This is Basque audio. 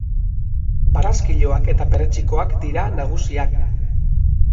Barraskiloak eta perretxikoak dira nagusiak.